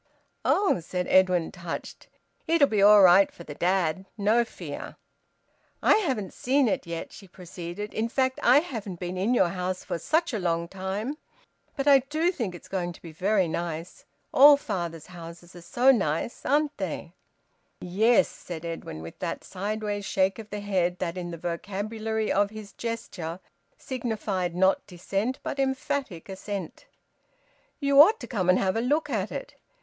"Oh!" said Edwin, touched. "It'll be all right for the dad. No fear!" "I haven't seen it yet," she proceeded. "In fact I haven't been in your house for such a long time. But I do think it's going to be very nice. All father's houses are so nice, aren't they?" "Yes," said Edwin, with that sideways shake of the head that in the vocabulary of his gesture signified, not dissent, but emphatic assent. "You ought to come and have a look at it."